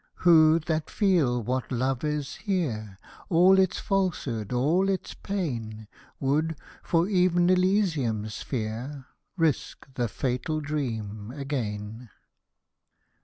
Who, that feels what Love is here, All its falsehood — all its pain — Would, for ev'n Elysium's sphere, Risk the fatal dream again